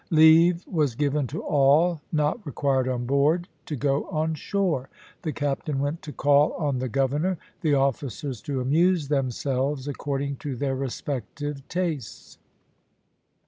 Leave was given to all not required on board to go on shore. The captain went to call on the governor, the officers to amuse themselves, according to their respective tastes.